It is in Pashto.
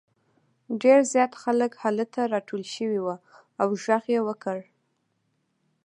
ډېر زیات خلک هلته راټول شوي وو او غږ یې وکړ.